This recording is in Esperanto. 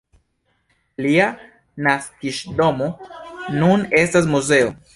Lia naskiĝdomo nun estas muzeo.